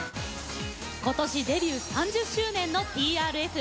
今年デビュー３０周年のＴＲＦ。